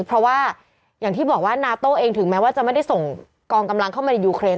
เพราะว่าอย่างที่บอกว่านาโต้เองถึงแม้ว่าจะไม่ได้ส่งกองกำลังเข้ามาในยูเครน